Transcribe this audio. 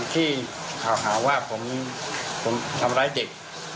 ที่ข่าวหาว่าผมทำร้ายเด็ก